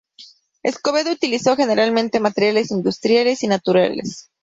Escobedo utilizó, generalmente, materiales industriales y naturales.